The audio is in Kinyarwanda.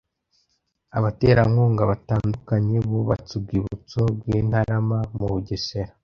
abaterankunga batandukanye bubatse urwibutso rwi ntarama mu bugesera